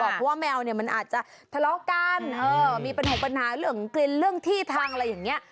เพราะว่าแมวเนี่ยมันอาจจะทะเลาะกันมีปัญหาเรื่องกลิ่นเรื่องที่ทางอะไรอย่างนี้